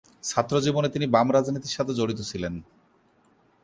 ছাত্র জীবনে তিনি বাম রাজনীতির সাথে জড়িত ছিলেন।